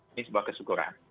ini sebuah kesyukuran